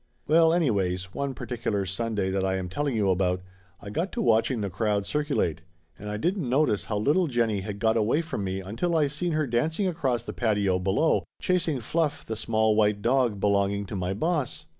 Well anyways, one particular Sunday that I am telling you about, I got to watching the crowd circu late, and I didn't notice how little Jennie had got away from me until I seen her dancing across the patio below, chasing Fluff, the small white dog belonging to my boss.